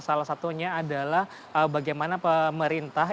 salah satunya adalah bagaimana pemerintah